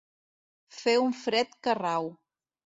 Fer un fred que rau.